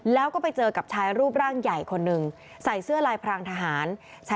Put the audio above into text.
แล้วก็ไปเจอกับชายรูปร่างใหญ่คนหนึ่งใส่เสื้อลายพรางทหาร